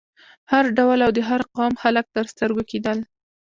هر ډول او د هر قوم خلک تر سترګو کېدل.